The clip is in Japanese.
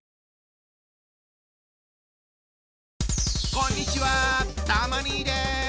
こんにちはたま兄です。